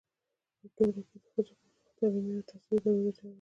پـه ټـولـه کـې د ښـځـو پـر مـخ تـعلـيمي او تحصـيلي دروازې تــړل.